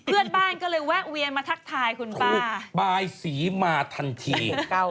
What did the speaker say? เพื่อนบ้านก็เลยแวะเวียนมาทักทายคุณป้าบายสีมาทันที